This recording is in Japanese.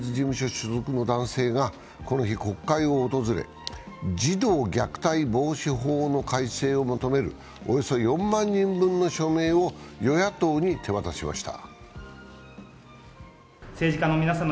所属の男性がこの日、国会を訪れ、児童虐待防止法の改正を求めるおよそ４万人分の署名を与野党に手渡しました。